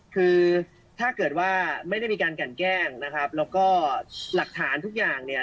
คือถ้าเกิดว่าไม่ได้มีการกันแกล้งนะครับแล้วก็หลักฐานทุกอย่างเนี่ย